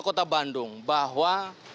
kota bandung bahwa